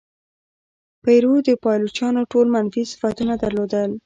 پیرو د پایلوچانو ټول منفي صفتونه درلودل.